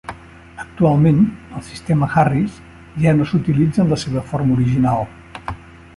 Actualment, el sistema Harris ja no s'utilitza en la seva forma original.